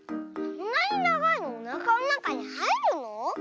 そんなにながいのおなかのなかにはいるの？